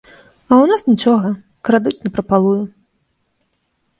А ў нас нічога, крадуць напрапалую.